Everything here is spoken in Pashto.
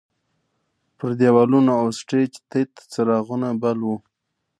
پر دیوالونو او سټیج تت څراغونه بل وو.